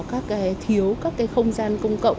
các cái thiếu các cái không gian công cộng